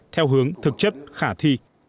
theo hướng thực chất khả thi